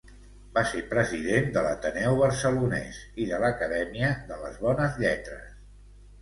Va ser president de l'Ateneu Barcelonès i de l'Acadèmia de les Bones Lletres.